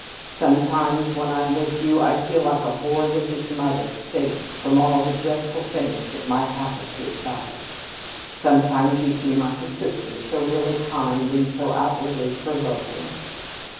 Sometimes when I'm with you I feel like a boy with his mother, safe from all the dreadful things that might happen to a child. Sometimes you seem like a sister, so really kind and so outwardly provoking.